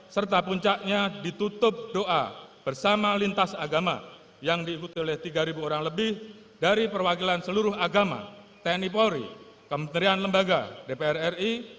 serta puncaknya ditutup doa bersama lintas agama yang diikuti oleh tiga orang lebih dari perwakilan seluruh agama tni polri kementerian lembaga dpr ri